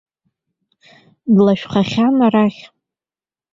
Длашәхахьан арахь.